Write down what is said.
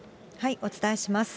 お伝えします。